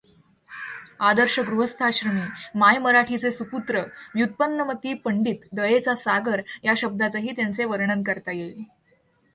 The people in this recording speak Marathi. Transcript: आदर्श गृहस्थाश्रमी, मायमराठीचे सुपुत्र, व्युत्पन्नमति पंडित, दयेचा सागर या शब्दांतही त्यांचे वर्णन करता येईल.